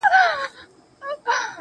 په بهیر کې یې خپلې تجربې شریکې کړې